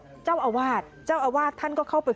พูดสิทธิ์ข่าวบอกว่าพระต่อว่าชาวบ้านที่มายืนล้อมอยู่แบบนี้ค่ะ